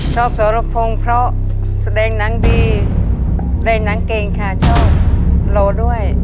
สรพงศ์เพราะแสดงหนังดีได้หนังเก่งค่ะชอบโลด้วย